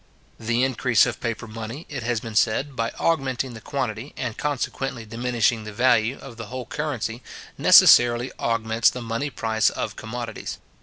The increase of paper money, it has been said, by augmenting the quantity, and consequently diminishing the value, of the whole currency, necessarily augments the money price of commodities.